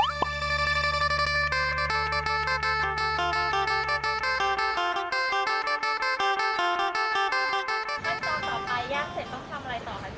ตอนต่อไปย่างเสร็จต้องทำอะไรต่อกัน